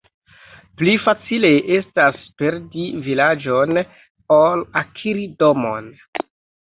Pli facile estas perdi vilaĝon, ol akiri domon.